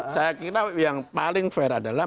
saya kira yang paling fair adalah